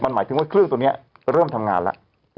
มันหมายถึงว่าเครื่องตัวเนี่ยเริ่มทำงานละ